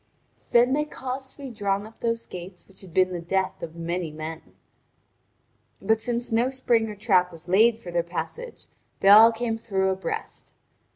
Then they caused to be drawn up those gates which had been the death of many men. But since no spring or trap was laid for their passage they all came through abreast.